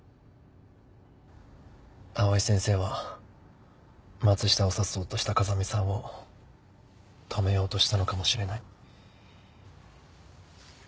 藍井先生は松下を刺そうとした風見さんを止めようとしたのかもしれない。